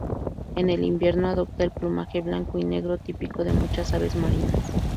En el invierno adopta el plumaje blanco y negro típico de muchas aves marinas.